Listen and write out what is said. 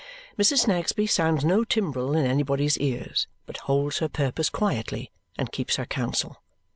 Mrs. Snagsby sounds no timbrel in anybody's ears, but holds her purpose quietly, and keeps her counsel.